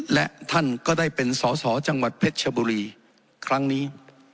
และท่านก็ได้เป็นสอสอจังหวัดเพชรชบุรีครั้งนี้